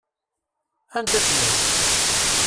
Anda-tt lehwa?